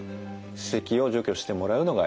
歯石を除去してもらうのがいいでしょう。